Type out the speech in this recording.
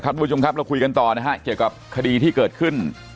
คุณผู้ชมครับเราคุยกันต่อนะฮะเกี่ยวกับคดีที่เกิดขึ้น